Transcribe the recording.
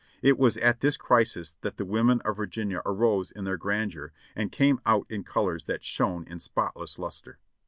It was at this crisis that the women of Vir ginia arose in their grandeur and came out in colors that shone in spotless lustre.